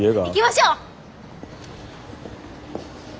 行きましょう！